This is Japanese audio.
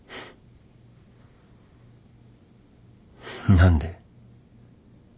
何で？